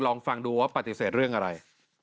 ลองฟังดูว่าปฏิเสธเรื่องอะไร